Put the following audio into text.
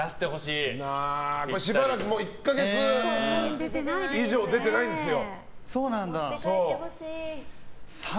しばらく１か月以上出てないんですよ。